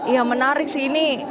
iya menarik sih ini